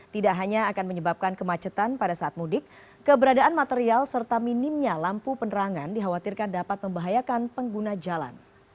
tidak hanya akan menyebabkan kemacetan pada saat mudik keberadaan material serta minimnya lampu penerangan dikhawatirkan dapat membahayakan pengguna jalan